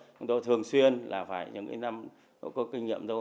chúng tôi thường xuyên là phải những năm có kinh nghiệm đâu